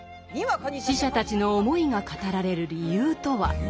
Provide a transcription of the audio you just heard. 死者たちの思いが語られる理由とは。